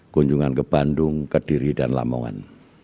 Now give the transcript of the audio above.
kunjungan ke bandung kediri dan lamongan